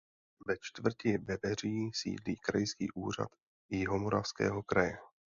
Ve čtvrti Veveří sídlí krajský úřad Jihomoravského kraje.